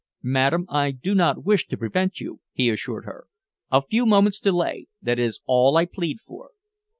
"Madam, I do not wish to prevent you," he assured her. "A few moments' delay that is all I plead for."